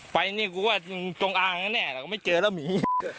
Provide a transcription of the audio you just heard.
ไปนี่กูว่าจงอางแน่แต่ก็ไม่เจอแล้วหมี